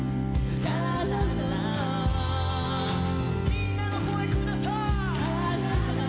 みんなの声下さい！